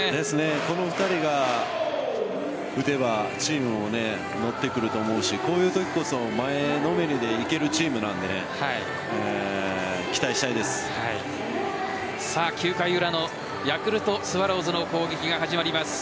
この２人が打てばチームも乗ってくると思うしこういうときこそ前のめりでいけるチームなので９回裏のヤクルトスワローズの攻撃が始まります。